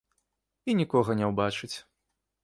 І нікога не ўбачыць.